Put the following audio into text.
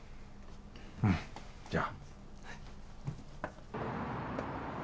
うんじゃ颯！